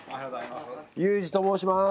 ユージと申します。